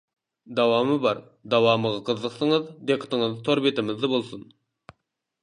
داۋامى بار، داۋامىغا قىزىقسىڭىز دىققىتىڭىز تور بېتىمىزدە بولسۇن.